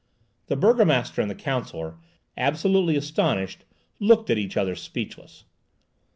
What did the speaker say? The burgomaster and the counsellor, absolutely astounded, looked at each other speechless.